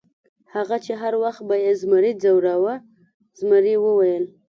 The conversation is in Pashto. هغه چې هر وخت به یې زمري ځوراوه، زمري وویل.